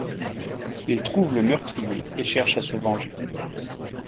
Il trouve le meurtrier et cherche à se venger.